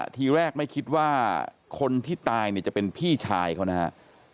ทีแรกไม่คิดว่าคนที่ตายเนี่ยจะเป็นพี่ชายเขานะครับ